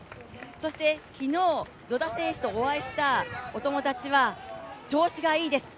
そして昨日、野田選手とお会いしたお友達は、調子がいいです